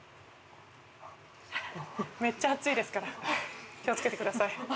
めっちゃ熱いですから気を付けてください。